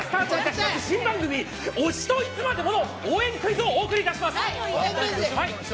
新番組、新番組「推しといつまでも」の応援クイズをお送りいたします。